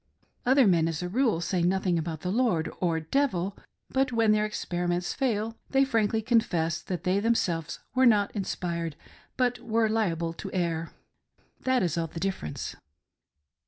Other men, as a rule, say nothing about the "Lord" or devil, but when their experiments fail, they frankly confess that they themselves were not inspired, but were liable to err. That is all the difference.